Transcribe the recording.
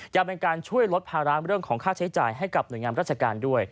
ยังเป็นการช่วยลดภาระเรื่องของค่าใช้จ่ายให้กับหน่วยงานราชการด้วย